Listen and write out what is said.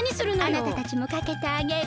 あなたたちもかけてあげる！